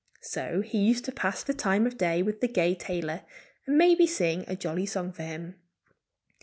So he used to pass the time of day with the gay tailor and maybe sing a jolly song for him.